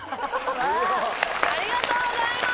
ありがとうございます